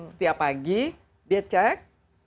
setiap pagi dia cek